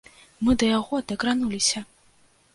Мы да яго дакрануліся!